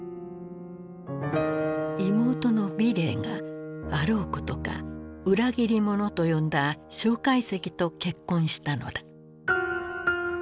妹の美齢があろうことか「裏切り者」と呼んだ介石と結婚したのだ。